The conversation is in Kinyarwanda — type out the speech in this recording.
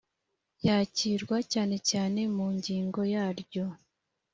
yakirwa cyane cyane mu ngingo yaryo…